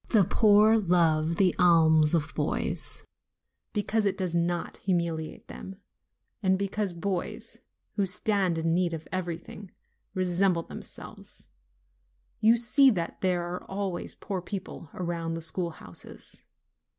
The poor love the alms of boys, because it does not humiliate them, and because boys, who stand in need of everything, resemble themselves: you see that there are always poor people around the schoolhouses.